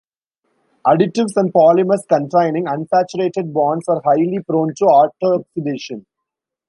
Additives and polymers containing unsaturated bonds are highly prone to autoxidation.